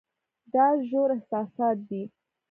دا ژور احساسات دي.